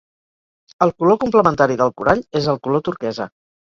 El color complementari del corall és el color turquesa.